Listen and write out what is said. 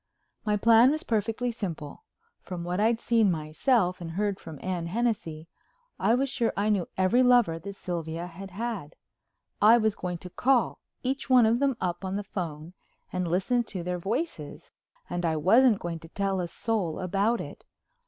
My plan was perfectly simple. From what I had seen myself and heard from Anne Hennessey I was sure I knew every lover that Sylvia had had. I was going to call each one of them up on the phone and listen to their voices, and I wasn't going to tell a soul about it.